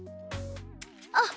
あっ！